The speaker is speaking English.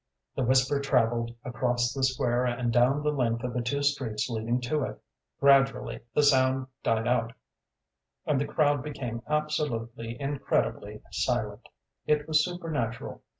The whisper travelled across the square and down the length of the two streets leading to it; gradually the sound died out, and the crowd became absolutely, incredibly silent: it was supernatural.